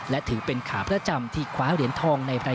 และถือเป็นขาประจำที่คว้าเหรียญทองในไฟ